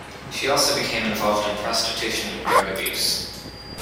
She also became involved in prostitution and drug abuse.